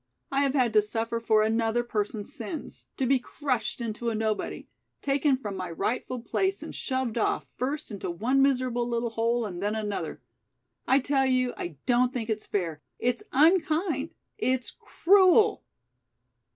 I have had to suffer for another person's sins; to be crushed into a nobody; taken from my rightful place and shoved off first into one miserable little hole and then another. I tell you I don't think it's fair it's unkind it's cruel!"